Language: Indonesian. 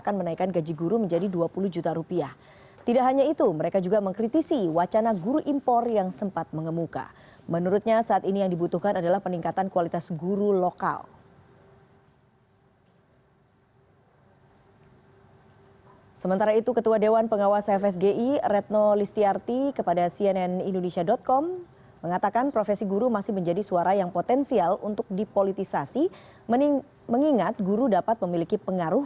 kenaikan gaji tidak hanya berlaku bagi guru tetap tetapi juga guru honorer